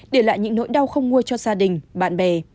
để lại những nỗi đau không mua cho gia đình bạn bè